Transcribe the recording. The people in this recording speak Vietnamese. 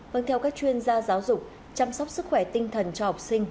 vâng theo các chuyên gia giáo dục chăm sóc sức khỏe tinh thần cho học sinh